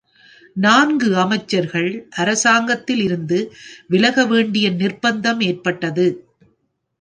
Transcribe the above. நான்கு அமைச்சர்கள் அரசாங்கத்தில் இருந்து விலக வேண்டிய நிர்ப்பந்தம் ஏற்பட்டது.